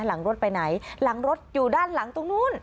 หลังรถไปไหนหลังรถอยู่ด้านหลังตรงนู้น